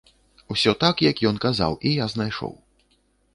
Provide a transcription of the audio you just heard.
Усё так, як ён казаў, я і знайшоў.